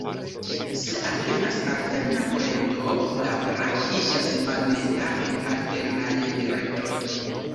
Se alvenas alterna kurento, la brako iĝas magneta en alternaj direktoj.